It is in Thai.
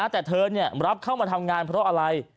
แต่เธอรับเข้ามาทำงานเพราะอะไร